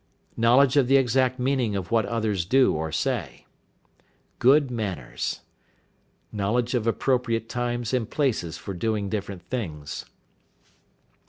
Knowledge of the exact meaning of what others do or say. Good manners. Knowledge of appropriate times and places for doing different things.